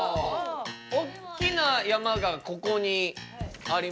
おっきな山がここにありますね。